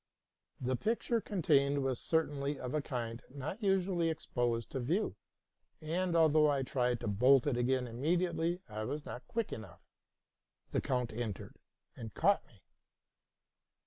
The picture contained was certainly of a kind not usually exposed to view ; and, although I tried to bolt it again immediately, I was not quick enough. The count entered, and caught me.